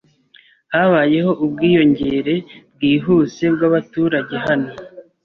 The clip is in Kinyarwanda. Habayeho ubwiyongere bwihuse bwabaturage hano.